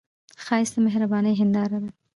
ښایست د مهرباني هنداره ده